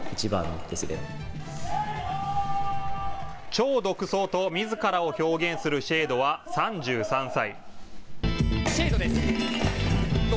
超独創とみずからを表現するＳＨＡＤＥは３３歳。